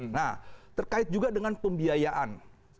nah terkait juga dengan pembiayaan